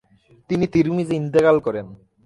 তিনি তিরমিজে ইন্তেকাল করেন।